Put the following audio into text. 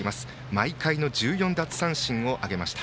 毎回の１４奪三振を挙げました。